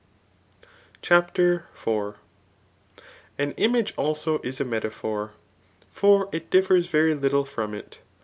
CHAPTER IV. An image also is a metaphor ; for it differs very little from it.